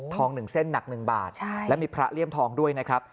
๑เส้นหนัก๑บาทและมีพระเลี่ยมทองด้วยนะครับ